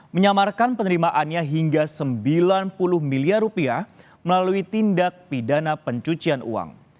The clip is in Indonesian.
menyamarkan penerimaannya hingga sembilan puluh miliar rupiah melalui tindak pidana pencucian uang